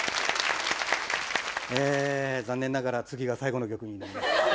え残念ながら次が最後の曲になります。